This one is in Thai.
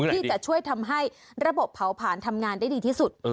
ที่จะช่วยทำให้ระบบเผาผลาญทำงานได้ดีที่สุด